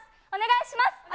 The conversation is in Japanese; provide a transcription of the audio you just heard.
お願いします。